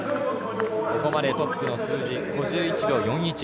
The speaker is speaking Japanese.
ここまでトップの数字、５１秒４１